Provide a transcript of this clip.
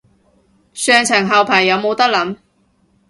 上層後排有冇得諗